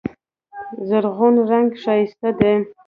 زرغون رنګ ښایسته دی.